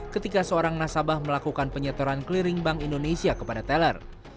ketika seorang nasabah melakukan penyetoran clearing bank indonesia kepada teller